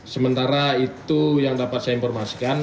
sementara itu yang dapat saya informasikan